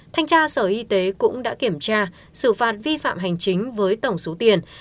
thanh tra sở y tế cũng đã kiểm tra xử phạt vi phạm hành chính với tổng số tiền